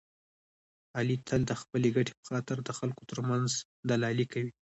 علي تل د خپلې ګټې په خاطر د خلکو ترمنځ دلالي کوي.